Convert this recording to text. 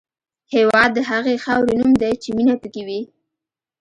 هېواد د هغې خاورې نوم دی چې مینه پکې وي.